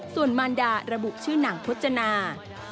ส่วนมารดาระบุชื่อหนังพจนา